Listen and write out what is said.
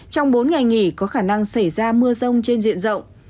trong bốn ngày nghỉ có khả năng xảy ra mưa rông trên diện rộng